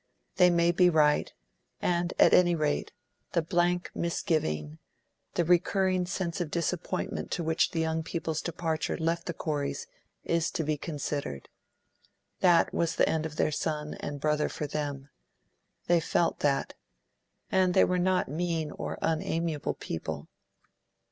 They may be right; and at any rate, the blank misgiving, the recurring sense of disappointment to which the young people's departure left the Coreys is to be considered. That was the end of their son and brother for them; they felt that; and they were not mean or unamiable people.